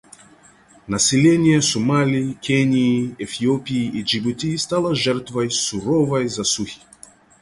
Население Сомали, Кении, Эфиопии и Джибути стало жертвой суровой засухи.